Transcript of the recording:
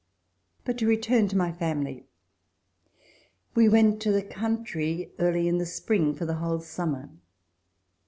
But to return to my family. We went to the country early in the spring for the whole summer.